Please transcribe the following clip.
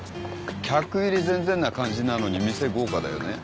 客入り全然な感じなのに店豪華だよね。